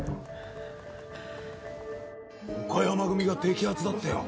「岡山組が摘発だってよ」